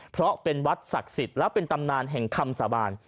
เพราะเป็นวัดศักดิ์สิทธิ์และเป็นตำนานแห่งคำสาบาน